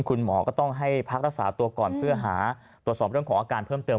คุณหมอก็ต้องให้พักรักษาตัวก่อนเพื่อหาตรวจสอบเรื่องของอาการเพิ่มเติม